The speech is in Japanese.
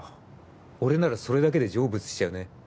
俺ならそれだけで成仏しちゃうね